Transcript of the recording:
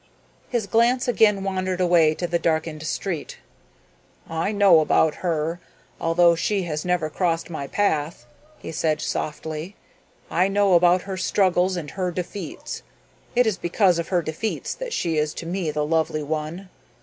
His glance again wandered away to the darkened street. "I know about her, although she has never crossed my path," he said softly. "I know about her struggles and her defeats. It is because of her defeats that she is to me the lovely one.